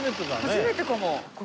初めてかも。